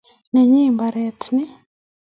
Nenyi mbaret ni